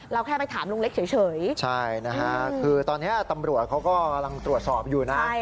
แค่ไปถามลุงเล็กเฉยใช่นะฮะคือตอนนี้ตำรวจเขากำลังตรวจสอบอยู่นะ